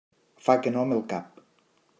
Fa que no amb el cap.